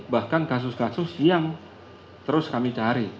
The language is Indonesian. bahkan kasus kasus yang terus kami cari